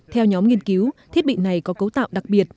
theo nhóm nghiên cứu thiết bị này có cấu tạo đặc biệt